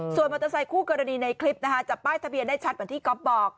ส่วนมอเตอร์ไซคู่กรณีในคลิปนะคะจับป้ายทะเบียนได้ชัดเหมือนที่ก๊อฟบอก